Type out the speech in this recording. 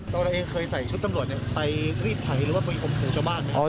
ตอนนั้นเองเคยใส่ชุดตำรวจไปรีดถ่ายหรือว่าไปอบถือชาวบ้าน